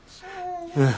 うん。